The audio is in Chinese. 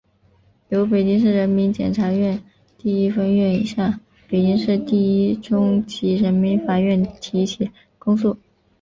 由北京市人民检察院第一分院向北京市第一中级人民法院提起公诉